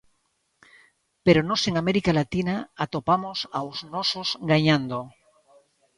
Pero nós en América Latina atopamos aos nosos gañando.